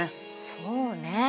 そうね。